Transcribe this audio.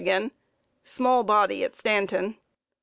small body at Stanton.